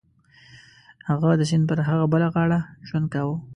هغه د سیند پر هغه بله غاړه ژوند کاوه.